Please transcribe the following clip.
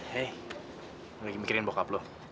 hey lu lagi mikirin bokap lu